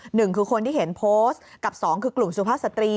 หนึ่งคือคนที่เห็นโพสต์กับสองคือกลุ่มสุภาพสตรี